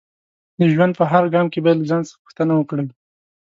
د ژوند په هر ګام کې باید له ځان څخه پوښتنه وکړئ